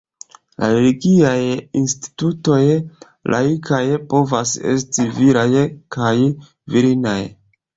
La religiaj institutoj laikaj povas esti viraj kaj virinaj.